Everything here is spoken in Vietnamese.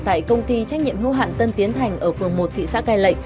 tại công ty trách nhiệm hưu hạn tân tiến thành ở phường một thị xã cai lệ